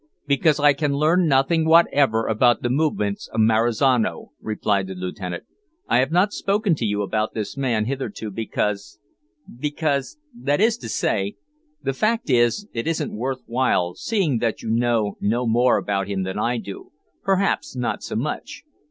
"Because I can learn nothing whatever about the movements of Marizano," replied the Lieutenant. "I have not spoken to you about this man hitherto, because because that is to say the fact is, it wasn't worth while, seeing that you know no more about him than I do, perhaps not so much.